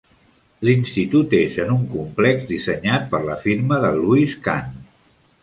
L'institut és en un complex dissenyat per la firma de Louis Kahn.